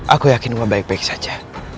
aku yakin mama baik baik saja